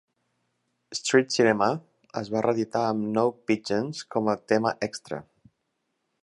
"Street Cinema" es va reeditar amb "No Pigeons" com a tema extra.